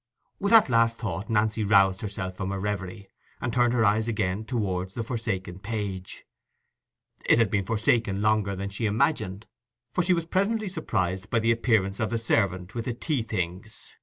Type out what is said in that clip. With that last thought Nancy roused herself from her reverie, and turned her eyes again towards the forsaken page. It had been forsaken longer than she imagined, for she was presently surprised by the appearance of the servant with the tea things.